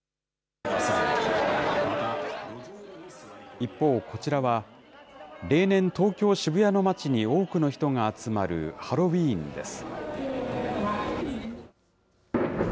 一方、こちらは例年、東京・渋谷の街に多くの人が集まるハロウィーンです。